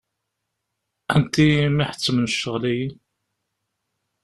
Anti i m-iḥettmen ccɣel-agi?